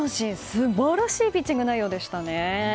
素晴らしいピッチング内容でしたね。